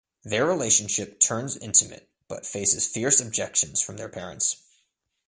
Their relationship turns intimate but faces fierce objections from their parents.